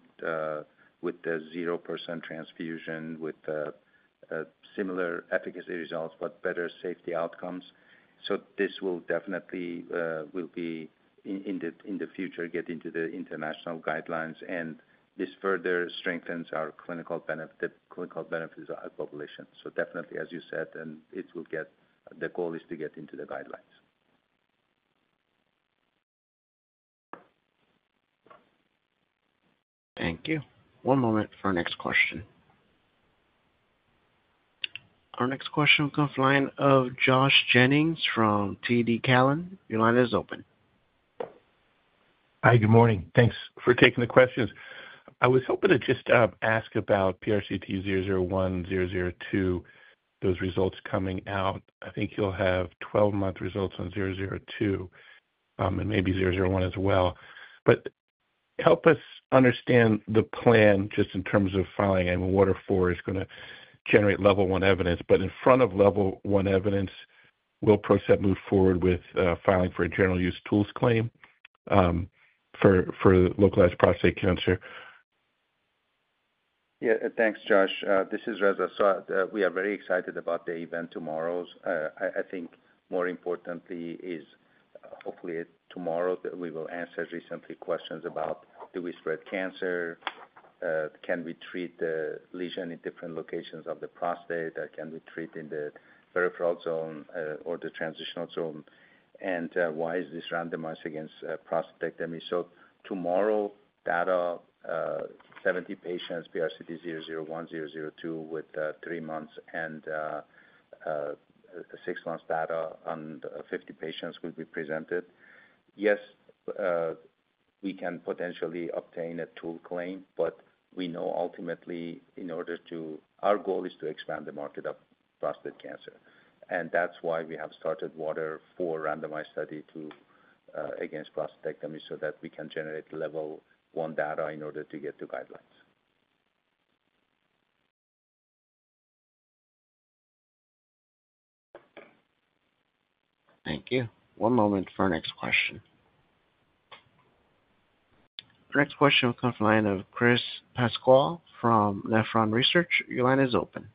[SPEAKER 3] with 0% transfusion with similar efficacy results, but better safety outcomes. This will definitely be in the future getting to the international guidelines, and this further strengthens our clinical benefits of Aquablation. Definitely, as you said, the goal is to get into the guidelines.
[SPEAKER 1] Thank you. One moment for our next question. Our next question will come from a line of Josh Jennings from TD Cowen. Your line is open.
[SPEAKER 11] Hi. Good morning. Thanks for taking the questions. I was hoping to just ask about PRCT001, PRCT002, those results coming out. I think you'll have 12-month results on PRCT002 and maybe PRCT001 as well. Help us understand the plan just in terms of filing. I mean, WATER IV is going to generate level one evidence, but in front of level one evidence, will PROCEPT move forward with filing for a general use tools claim for localized prostate cancer?
[SPEAKER 3] Yeah. Thanks, Josh. This is Reza. We are very excited about the event tomorrow. I think more importantly is hopefully tomorrow that we will answer recently questions about do we spread cancer? Can we treat the lesion in different locations of the prostate? Can we treat in the peripheral zone or the transitional zone? And why is this randomized against prostate? Tomorrow, data, 70 patients, PRCT001, PRCT002 with three months and six months data on 50 patients will be presented. Yes, we can potentially obtain a tool claim, but we know ultimately in order to our goal is to expand the market of prostate cancer. That is why we have started WATER IV randomized study against prostatectomy so that we can generate level one data in order to get to guidelines.
[SPEAKER 1] Thank you. One moment for our next question. Our next question will come from a line of Chris Pasquale from Nephron Research. Your line is open.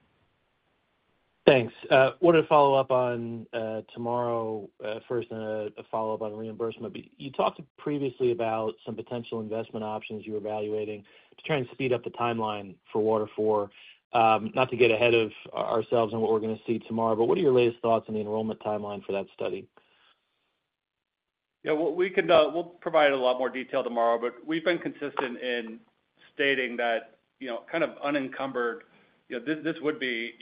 [SPEAKER 12] Thanks. I wanted to follow up on tomorrow first and a follow-up on reimbursement. You talked previously about some potential investment options you were evaluating to try and speed up the timeline for WATER IV, not to get ahead of ourselves on what we're going to see tomorrow. What are your latest thoughts on the enrollment timeline for that study?
[SPEAKER 5] Yeah. We will provide a lot more detail tomorrow, but we have been consistent in stating that kind of unencumbered, this would be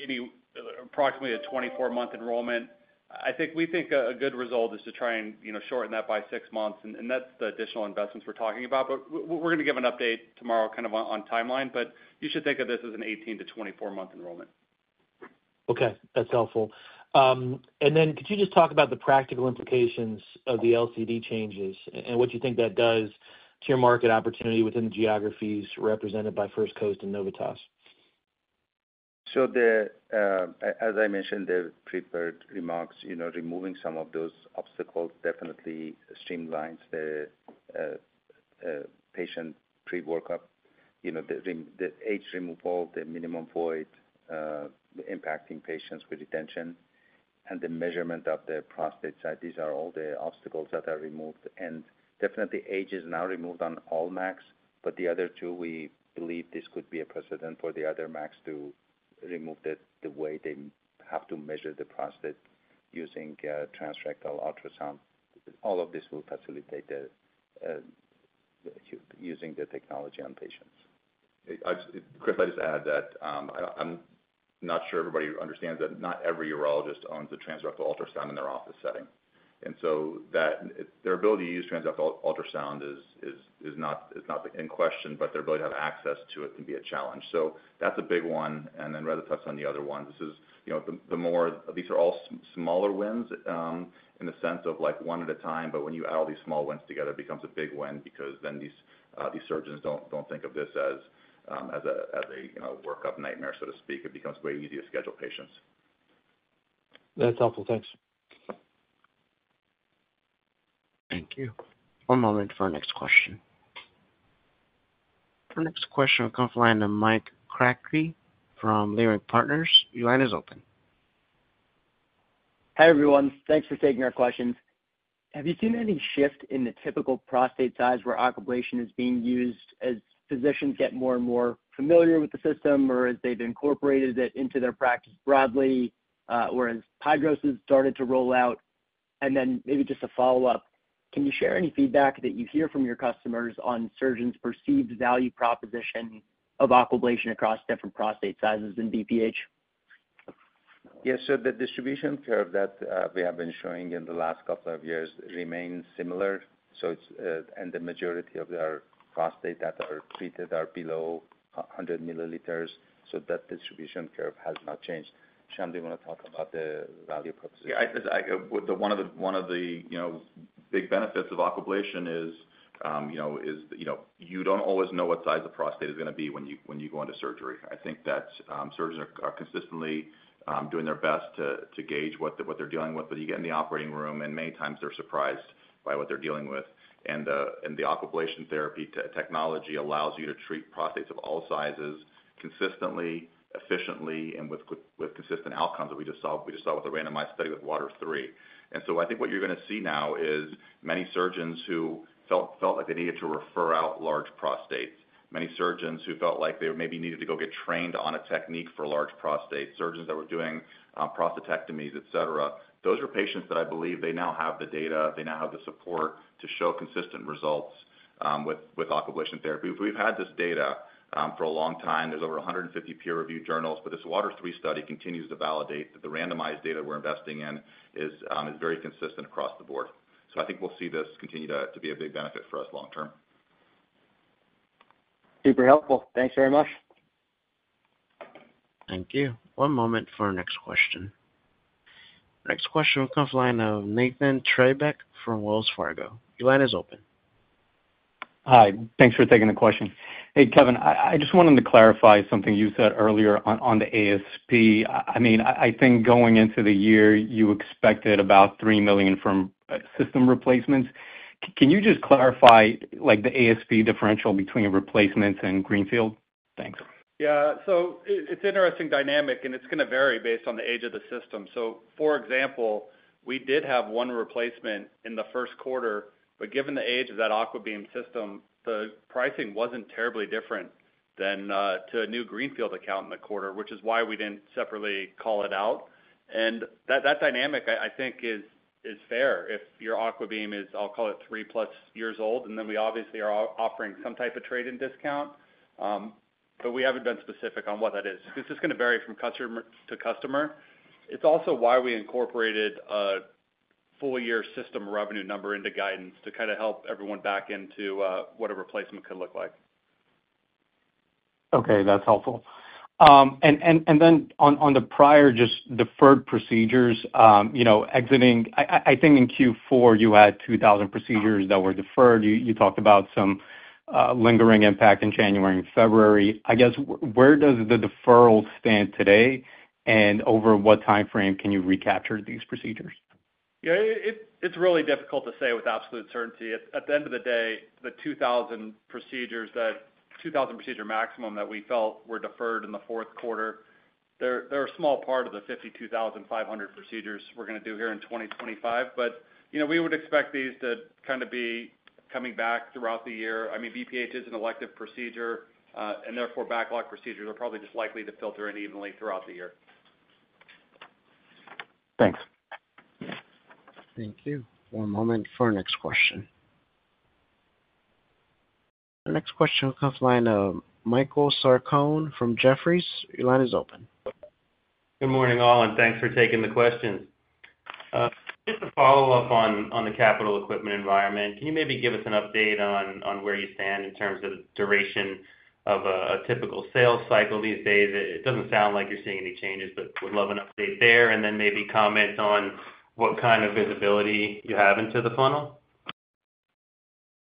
[SPEAKER 5] approximately a 24-month enrollment. I think we think a good result is to try and shorten that by six months. That is the additional investments we are talking about. We are going to give an update tomorrow kind of on timeline. You should think of this as an 18-24 month enrollment.
[SPEAKER 12] Okay. That's helpful. Could you just talk about the practical implications of the LCD changes and what you think that does to your market opportunity within the geographies represented by First Coast and Novitas?
[SPEAKER 3] As I mentioned, the prepared remarks, removing some of those obstacles definitely streamlines the patient pre-workup, the age removal, the minimum void, the impacting patients with retention, and the measurement of the prostate side. These are all the obstacles that are removed. Age is now removed on all MACs, but the other two, we believe this could be a precedent for the other MACs to remove the way they have to measure the prostate using transrectal ultrasound. All of this will facilitate using the technology on patients.
[SPEAKER 4] Chris, I'll just add that I'm not sure everybody understands that not every urologist owns a transrectal ultrasound in their office setting. Their ability to use transrectal ultrasound is not in question, but their ability to have access to it can be a challenge. That is a big one. Reza touched on the other one. These are all smaller wins in the sense of one at a time. When you add all these small wins together, it becomes a big win because then these surgeons do not think of this as a workup nightmare, so to speak. It becomes way easier to schedule patients.
[SPEAKER 12] That's helpful. Thanks.
[SPEAKER 1] Thank you. One moment for our next question. Our next question will come from a line of Mike Kratky from Leerink Partners. Your line is open.
[SPEAKER 13] Hi, everyone. Thanks for taking our questions. Have you seen any shift in the typical prostate size where Aquablation is being used as physicians get more and more familiar with the system or as they've incorporated it into their practice broadly, whereas HYDROS is starting to roll out? Maybe just a follow-up, can you share any feedback that you hear from your customers on surgeons' perceived value proposition of Aquablation across different prostate sizes and BPH?
[SPEAKER 3] Yeah. The distribution curve that we have been showing in the last couple of years remains similar. The majority of our prostates that are treated are below 100 milliliters. That distribution curve has not changed. Sham, do you want to talk about the value proposition?
[SPEAKER 4] Yeah. One of the big benefits of Aquablation is you don't always know what size the prostate is going to be when you go into surgery. I think that surgeons are consistently doing their best to gauge what they're dealing with. You get in the operating room, and many times they're surprised by what they're dealing with. The Aquablation therapy technology allows you to treat prostates of all sizes consistently, efficiently, and with consistent outcomes that we just saw with the randomized study with WATER III. I think what you're going to see now is many surgeons who felt like they needed to refer out large prostates, many surgeons who felt like they maybe needed to go get trained on a technique for large prostates, surgeons that were doing prostatectomies, etc. Those are patients that I believe they now have the data. They now have the support to show consistent results with Aquablation therapy. We've had this data for a long time. There's over 150 peer-reviewed journals. This WATER III study continues to validate that the randomized data we're investing in is very consistent across the board. I think we'll see this continue to be a big benefit for us long-term.
[SPEAKER 13] Super helpful. Thanks very much.
[SPEAKER 1] Thank you. One moment for our next question. Next question will come from a line of Nathan Treybeck from Wells Fargo. Your line is open.
[SPEAKER 14] Hi. Thanks for taking the question. Hey, Kevin, I just wanted to clarify something you said earlier on the ASP. I mean, I think going into the year, you expected about $3 million from system replacements. Can you just clarify the ASP differential between replacements and greenfield? Thanks.
[SPEAKER 5] Yeah. It is an interesting dynamic, and it is going to vary based on the age of the system. For example, we did have one replacement in the first quarter. Given the age of that AquaBeam system, the pricing was not terribly different than to a new greenfield account in the quarter, which is why we did not separately call it out. That dynamic, I think, is fair if your AquaBeam is, I will call it, three-plus years old. We obviously are offering some type of trade-in discount. We have not been specific on what that is. This is going to vary from customer to customer. It is also why we incorporated a full-year system revenue number into guidance to kind of help everyone back into what a replacement could look like.
[SPEAKER 14] Okay. That's helpful. On the prior just deferred procedures, exiting, I think in Q4, you had 2,000 procedures that were deferred. You talked about some lingering impact in January and February. I guess where does the deferral stand today? And over what timeframe can you recapture these procedures?
[SPEAKER 5] Yeah. It's really difficult to say with absolute certainty. At the end of the day, the 2,000 procedures, that 2,000 procedure maximum that we felt were deferred in the fourth quarter, they're a small part of the 52,500 procedures we're going to do here in 2025. We would expect these to kind of be coming back throughout the year. I mean, BPH is an elective procedure, and therefore backlog procedures are probably just likely to filter in evenly throughout the year.
[SPEAKER 14] Thanks.
[SPEAKER 1] Thank you. One moment for our next question. Our next question will come from a line of Michael Sarcone from Jefferies. Your line is open.
[SPEAKER 15] Good morning, all, and thanks for taking the questions. Just to follow up on the capital equipment environment, can you maybe give us an update on where you stand in terms of the duration of a typical sales cycle these days? It doesn't sound like you're seeing any changes, but would love an update there and then maybe comment on what kind of visibility you have into the funnel.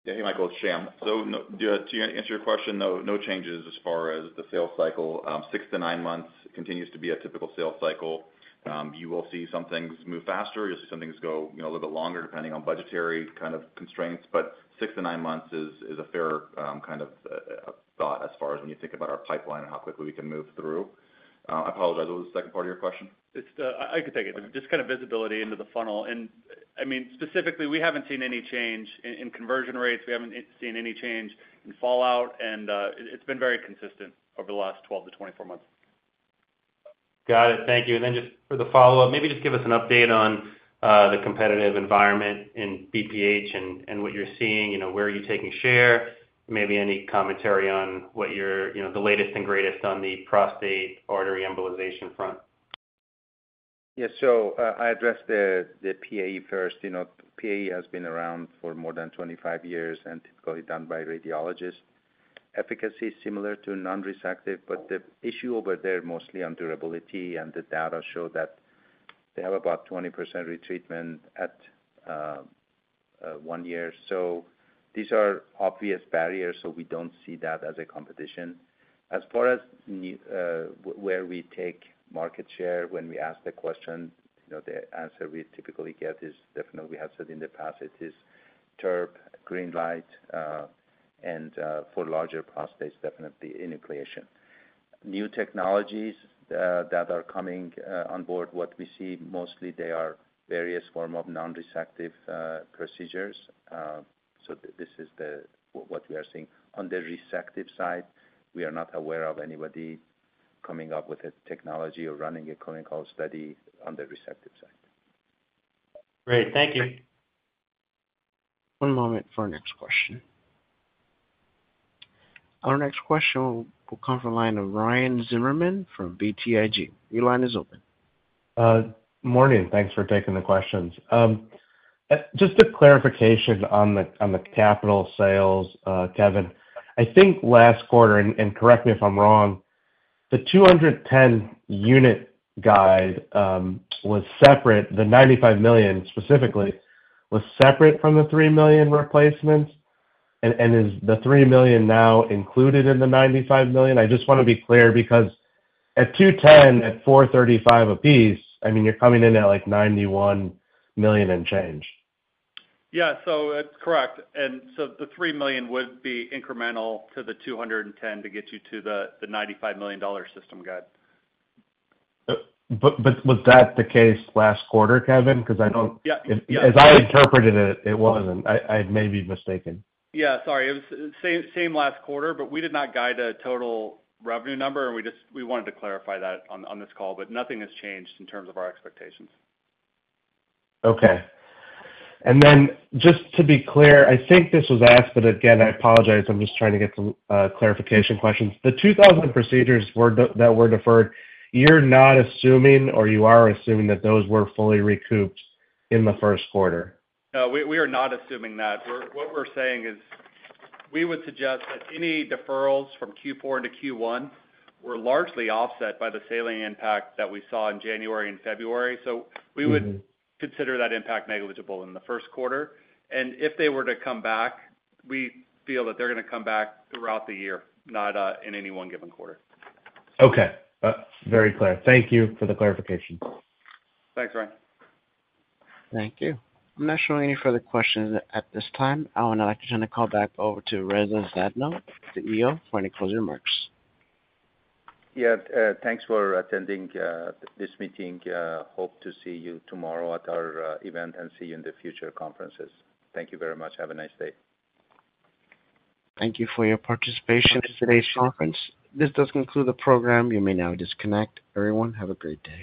[SPEAKER 4] Yeah. Hey, Michael, Sham. To answer your question, no changes as far as the sales cycle. Six to nine months continues to be a typical sales cycle. You will see some things move faster. You will see some things go a little bit longer depending on budgetary kind of constraints. Six to nine months is a fair kind of thought as far as when you think about our pipeline and how quickly we can move through. I apologize. What was the second part of your question?
[SPEAKER 5] I could take it. Just kind of visibility into the funnel. I mean, specifically, we haven't seen any change in conversion rates. We haven't seen any change in fallout. It's been very consistent over the last 12 to 24 months.
[SPEAKER 15] Got it. Thank you. For the follow-up, maybe just give us an update on the competitive environment in BPH and what you're seeing. Where are you taking share? Maybe any commentary on what you're the latest and greatest on the prostate artery embolization front?
[SPEAKER 3] Yeah. I address the PAE first. PAE has been around for more than 25 years and typically done by radiologists. Efficacy is similar to non-resective, but the issue over there is mostly on durability. The data show that they have about 20% retreatment at one year. These are obvious barriers. We do not see that as a competition. As far as where we take market share, when we ask the question, the answer we typically get is definitely we have said in the past it is TURP, GreenLight, and for larger prostates, definitely enucleation. New technologies that are coming on board, what we see mostly, they are various forms of non-resective procedures. This is what we are seeing. On the resective side, we are not aware of anybody coming up with a technology or running a clinical study on the resective side.
[SPEAKER 15] Great. Thank you.
[SPEAKER 1] Thank you. One moment for our next question. Our next question will come from a line of Ryan Zimmerman from BTIG. Your line is open.
[SPEAKER 16] Morning. Thanks for taking the questions. Just a clarification on the capital sales, Kevin. I think last quarter, and correct me if I'm wrong, the 210-unit guide was separate. The $95 million specifically was separate from the $3 million replacements. Is the $3 million now included in the $95 million? I just want to be clear because at 210, at $435,000 apiece, I mean, you're coming in at like $91 million and change.
[SPEAKER 5] Yeah. That is correct. The $3 million would be incremental to the $210 million to get you to the $95 million system guide.
[SPEAKER 16] Was that the case last quarter, Kevin? Because I don't.
[SPEAKER 5] Yeah.
[SPEAKER 16] As I interpreted it, it wasn't. I may be mistaken.
[SPEAKER 5] Yeah. Sorry. It was same last quarter, but we did not guide a total revenue number. We wanted to clarify that on this call. Nothing has changed in terms of our expectations.
[SPEAKER 16] Okay. Just to be clear, I think this was asked, but again, I apologize. I'm just trying to get some clarification questions. The 2,000 procedures that were deferred, you're not assuming or you are assuming that those were fully recouped in the first quarter?
[SPEAKER 5] No. We are not assuming that. What we're saying is we would suggest that any deferrals from Q4 to Q1 were largely offset by the selling impact that we saw in January and February. We would consider that impact negligible in the first quarter. If they were to come back, we feel that they're going to come back throughout the year, not in any one given quarter.
[SPEAKER 16] Okay. Very clear. Thank you for the clarification.
[SPEAKER 6] Thanks, Ryan.
[SPEAKER 1] Thank you. I'm not showing any further questions at this time. I would now like to turn the call back over to Reza Zadno, the CEO, for any closing remarks.
[SPEAKER 3] Yeah. Thanks for attending this meeting. Hope to see you tomorrow at our event and see you in the future conferences. Thank you very much. Have a nice day.
[SPEAKER 1] Thank you for your participation in today's conference. This does conclude the program. You may now disconnect. Everyone, have a great day.